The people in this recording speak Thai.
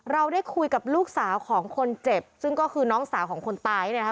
เราได้คุยกับลูกสาวของคนเจ็บซึ่งก็คือน้องสาวของคนตายเนี่ยนะคะ